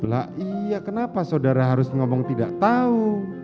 lah iya kenapa saudara harus ngomong tidak tahu